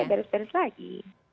pindah balik balik lagi